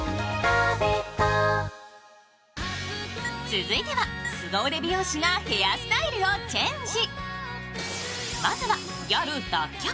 続いては、すご腕美容師がヘアスタイルをチェンジ。